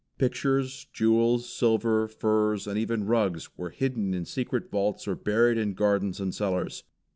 Pictures, jewels, silver, furs and even rugs were hidden in secret vaults or buried in gardens and cellars.